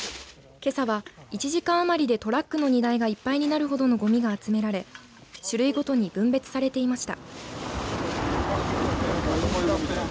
けさは１時間余りでトラックの荷台がいっぱいになるほどのごみが集められ種類ごとに分別されていました。